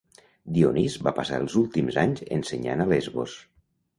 Dionís va passar els últims anys ensenyant a Lesbos.